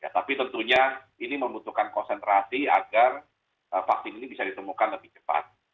tapi tentunya ini membutuhkan konsentrasi agar vaksin ini bisa ditemukan lebih cepat